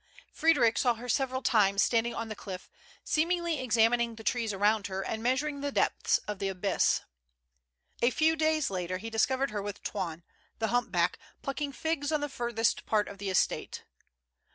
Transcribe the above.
Fred eric saw her several times standing on the cliff, seem ingly examining the trees around her and measuring the THE LANDSI.IP. 147 depth of the abyss. A fcAV days later he discovered her with Toine, the humpback^ plucking figs on the furthest part of the estate.